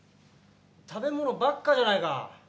食べ物ばっかじゃないか。